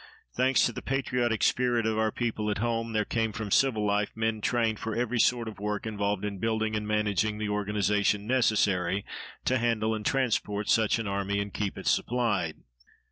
Thanks to the patriotic spirit of our people at home, there came from civil life men trained for every sort of work involved in building and managing the organization necessary to handle and transport such an army and keep it supplied.